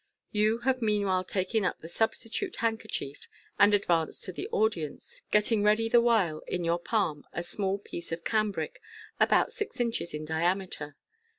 You have meanwhile taken up the substitute handkerchief, and advanced to the audience, getting ready the while in your palm a small piece of cambric, about six inches in diameter.